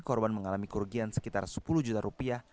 korban mengalami kerugian sekitar sepuluh juta rupiah